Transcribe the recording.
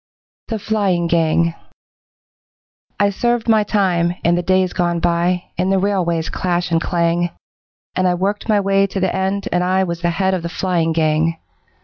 The Flying Gang I served my time, in the days gone by, In the railway's clash and clang, And I worked my way to the end, and I Was the head of the 'Flying Gang'.